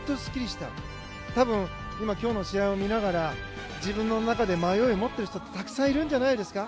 たぶん今日の試合を見ながら自分の中で迷いを持ってる人ってたくさんいるんじゃないんですか。